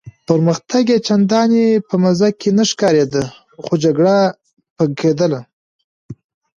پرمختګ یې چنداني په مزه کې نه ښکارېده، خو جګړه به کېدله.